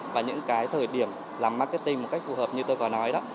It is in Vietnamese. và những cái thời điểm làm marketing một cách phù hợp như tôi có nói đó